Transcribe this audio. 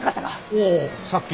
おおさっき。